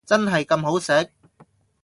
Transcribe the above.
真係咁好食？